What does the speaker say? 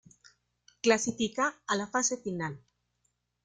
Clasifica a la fase final.